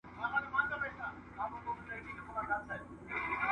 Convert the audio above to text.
خرامانه په سالو کي ګرځېدي مین دي کړمه